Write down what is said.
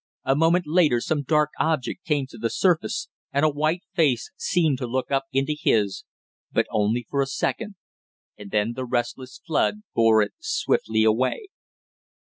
A moment later some dark object came to the surface and a white face seemed to look up into his, but only for a second, and then the restless flood bore it swiftly away.